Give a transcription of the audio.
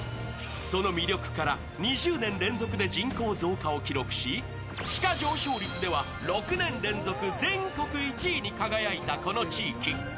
その魅力から２０年連続で人口増加を記録し地価上昇率では６年連続全国１位に輝いたこの地域。